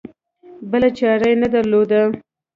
بله چاره یې نه درلوده.